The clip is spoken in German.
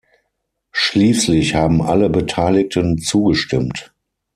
Schließlich haben alle Beteiligten zugestimmt.